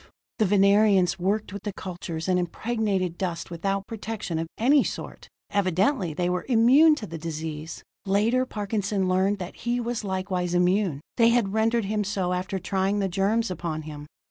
The Venerians worked with the cultures and impregnated dust without protection of any sort: evidently they were immune to the disease. Later Parkinson learned that he was likewise immune; they had rendered him so after trying the germs upon him.